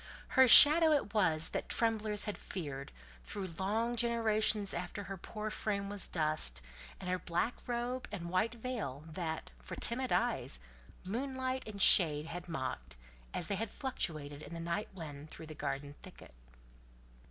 Her shadow it was that tremblers had feared, through long generations after her poor frame was dust; her black robe and white veil that, for timid eyes, moonlight and shade had mocked, as they fluctuated in the night wind through the garden thicket.